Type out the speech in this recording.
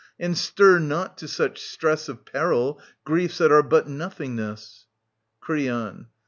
And stir not to such stress , Of peril griefs that are but nothingness. '/ Creon.